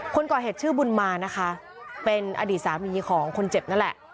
คนก่อเหตุชื่อบุญมานะคะเป็นอดีตสามีของคนเจ็บนั่นแหละ